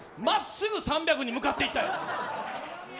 まっすぐ３００に向かっていったよ。